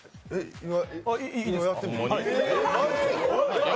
意外。